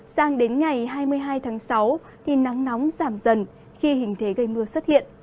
sang đến ngày hai mươi hai tháng sáu thì nắng nóng giảm dần khi hình thế gây mưa xuất hiện